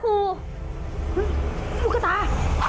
ลูกกระตา